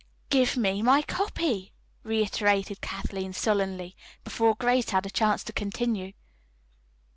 "Give me my copy," reiterated Kathleen sullenly, before Grace had a chance to continue.